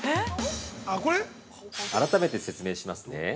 ◆改めて説明しますね。